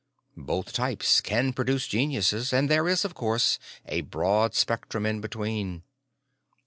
Both types can produce geniuses, and there is, of course, a broad spectrum in between.